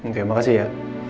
oke makasih ya